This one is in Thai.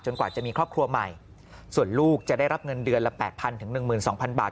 กว่าจะมีครอบครัวใหม่ส่วนลูกจะได้รับเงินเดือนละแปดพันถึง๑๒๐๐บาท